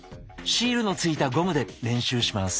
シールのついたゴムで練習します。